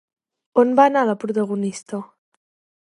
On va anar la protagonista?